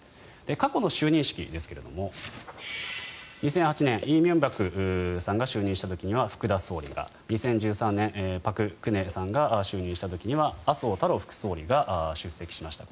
過去の就任式ですが２００８年李明博さんが就任した時は福田総理が２０１３年、朴槿惠さんが就任した時は麻生太郎副総理が出席しました。